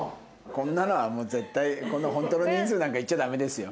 こんなのはもう絶対ホントの人数なんか言っちゃダメですよ。